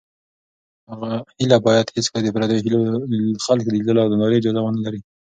هیله باید هېڅکله د پردیو خلکو د لیدلو او نندارې اجازه ونه لري.